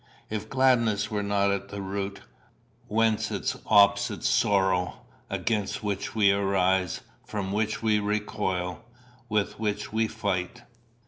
If gladness were not at the root, whence its opposite sorrow, against which we arise, from which we recoil, with which we fight?